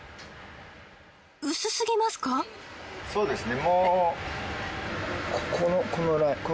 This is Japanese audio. そうですね。